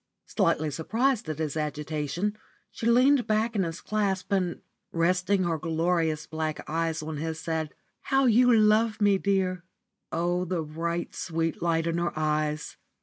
Slightly surprised at his agitation, she leaned back in his clasp, and, resting her glorious black eyes on his, said "How you love me, dear!" Oh, the bright, sweet light in her eyes!